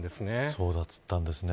そうだったんですね。